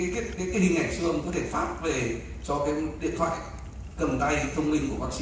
cái hình ảnh xương có thể phát về cho cái điện thoại cầm tay thông minh của bác sĩ